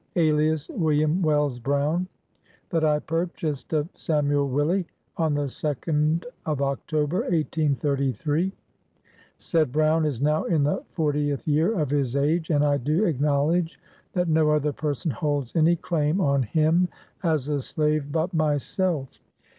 alias Win. Wells Brown, that I purchased of Samuel Willi on the 2d October, 1833. Said Brown is now. in the fortieth year of his age, and I do acknowledge that no other person holds any claim on him as a slave but myself.